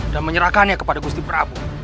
menyerahkannya kepada gusti prabu